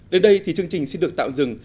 đến đây thì chương trình xin được tạm dừng